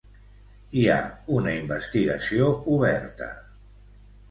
Hi ha una investigació oberta.